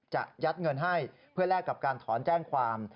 จะยัดเงินให้เพื่อแลกกับการถอนแจ้งความ